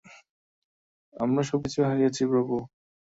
আমরা সবকিছু হারিয়েছি, প্রভু।